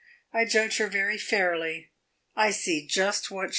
I judge her very fairly I see just what she is.